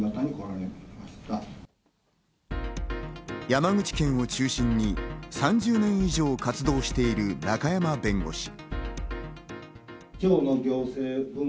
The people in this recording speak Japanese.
山口県を中心に３０年以上活動している中山弁護士。